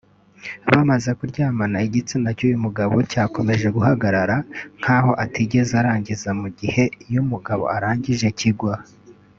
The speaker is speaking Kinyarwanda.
Bamaze kuryamana igitsina cy’uyu mugabo cyakomeje guhagarara nk’aho atigeze arangiza mu gihe iyo umugabo arangije kigwa